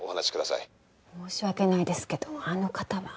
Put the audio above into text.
申し訳ないですけどあの方は。